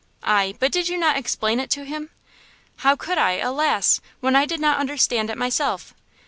"Ay, but did you not explain it to him?" "How could I, alas! when I did not understand it myself?